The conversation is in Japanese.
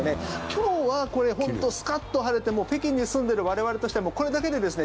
今日はこれ本当にスカッと晴れて北京に住んでいる我々としてもこれだけでですね